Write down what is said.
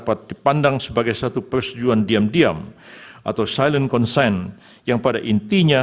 pertama saya memandang sebagai satu persetujuan diam diam atau silent consent yang pada intinya